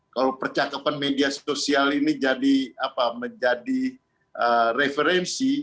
kalau percakapan media sosial ini menjadi referensi